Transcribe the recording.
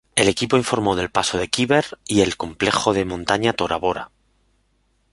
El equipo informó del paso de Khyber y el complejo de montaña Tora Bora.